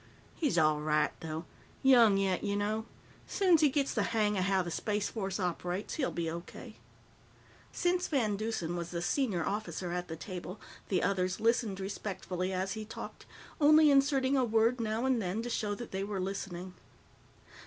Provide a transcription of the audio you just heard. He's all right, though. Young yet, you know. Soon's he gets the hang of how the Space Force operates, he'll be O.K." Since VanDeusen was the senior officer at the table, the others listened respectfully as he talked, only inserting a word now and then to show that they were listening.